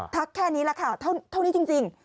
แค่นี้แหละค่ะเท่านี้จริง